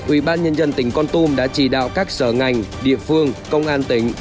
ubnd tỉnh con tum đã chỉ đạo các sở ngành địa phương công an tỉnh